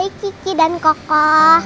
hai kiki dan koko